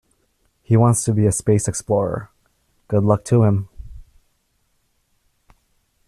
He wants to be a space explorer, good luck to him!.